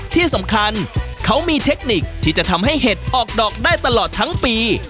ที่สำคัญเขามีเทคนิคที่จะทำให้เห็ดออกดอกได้ตลอดทั้งปี